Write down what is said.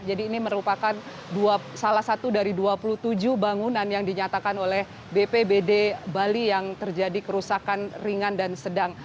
ini merupakan salah satu dari dua puluh tujuh bangunan yang dinyatakan oleh bpbd bali yang terjadi kerusakan ringan dan sedang